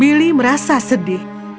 billy merasa sedih